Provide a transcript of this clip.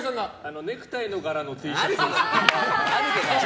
ネクタイの柄のＴシャツ。